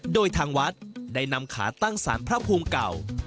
โดยทางวัดได้นำขาตั้งสารพระภูมิเก่า